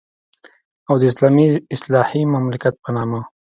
او د اسلامي اصلاحي مملکت په نامه.